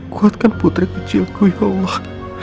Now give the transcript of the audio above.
kuatkan putri kecilku ya allah